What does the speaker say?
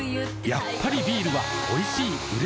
やっぱりビールはおいしい、うれしい。